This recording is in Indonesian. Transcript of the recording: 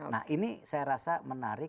nah ini saya rasa menarik